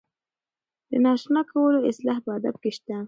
د نااشنا کولو اصطلاح په ادب کې شته.